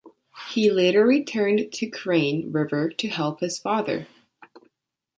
He later returned to Crane River to help his father.